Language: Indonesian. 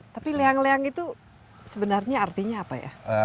tapi leang leang itu sebenarnya artinya apa ya